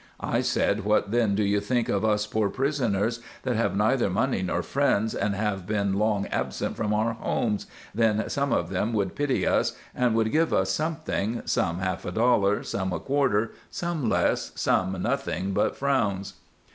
I said what then do you think of us poor prisners that have neither Money nor frinds and have ben long absent from our homes, then some of of them would pity us and would give us something, some half a Dollar some a quarter, some less, some nothing but frowns."